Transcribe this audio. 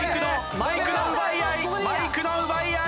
マイクの奪い合い。